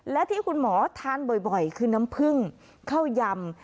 และที่คุณหมอทานบ่อยคือน้ำผึ้งข้าวยำ